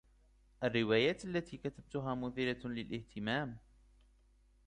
الروايات التي كتبها مثيرة للإهتمام.